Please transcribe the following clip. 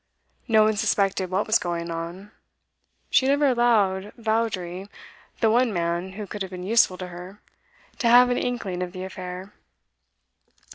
No one suspected what was going on; she never allowed Vawdrey, the one man who could have been useful to her, to have an inkling of the affair.